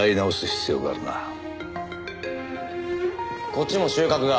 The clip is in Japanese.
こっちも収穫が。